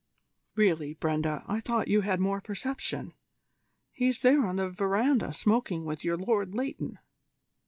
"Really, Brenda, I thought you had more perception. He's there on the verandah smoking with your Lord Leighton."